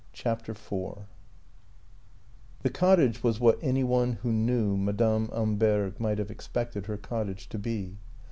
CHAPTER IV THE cottage was what any one who knew Madame Amberg might have expected her cottage to be.